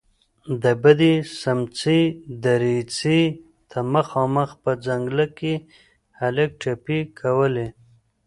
د بندې سمڅې دريڅې ته مخامخ په ځنګله کې هلک ټپې کولې.